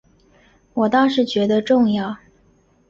我倒是觉得重要